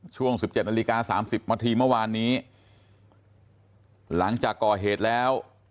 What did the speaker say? ช่วง๑๗นาฬิกา๓๐นาทีเมื่อวานนี้หลังจากก่อเหตุแล้ว